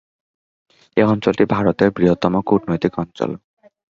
এই অঞ্চলটি ভারতের বৃহত্তম কূটনৈতিক অঞ্চল।